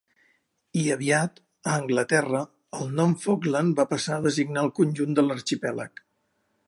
I, aviat, a Anglaterra, el nom Falkland va passar a designar el conjunt de l'arxipèlag.